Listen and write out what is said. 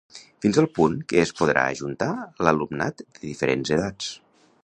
Fins al punt que es podrà ajuntar l'alumnat de diferents edats.